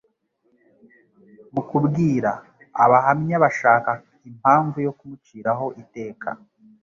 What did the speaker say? Mu kubwira.abahamya bashaka impamvu yo kumuciraho iteka